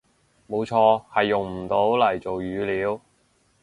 冇錯，係用唔到嚟做語料